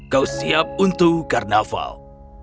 kau siap untuk karnaval